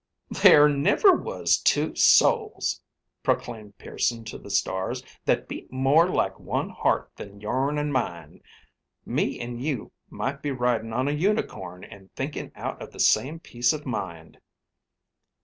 "There never was two souls," proclaimed Pearson to the stars, "that beat more like one heart than yourn and mine. Me and you might be riding on a unicorn and thinking out of the same piece of mind."